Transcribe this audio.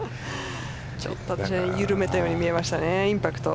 ちょっと緩めたように見えましたね、インパクト。